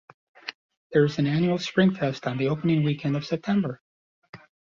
There is an annual Spring Fest on the opening weekend of September.